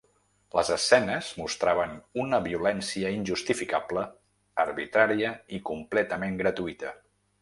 Les escenes mostraven una violència injustificable, arbitrària i completament gratuïta.